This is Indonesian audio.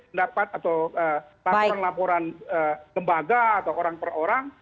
mendapat atau laporan kembaga atau orang per orang